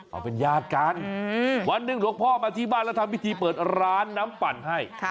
เขาเป็นญาติกันวันหนึ่งหลวงพ่อมาที่บ้านแล้วทำพิธีเปิดร้านน้ำปั่นให้